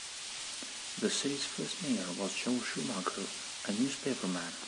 The city's first mayor was Joel Shomaker, a newspaperman.